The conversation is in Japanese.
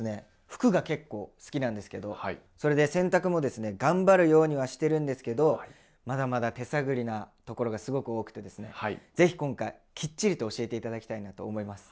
服が結構好きなんですけどそれで洗濯もですね頑張るようにはしてるんですけどまだまだ手探りなところがすごく多くてですね是非今回キッチリと教えて頂きたいなと思います。